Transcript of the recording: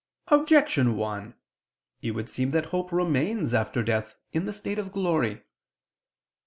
Objection 1: It would seem that hope remains after death, in the state of glory.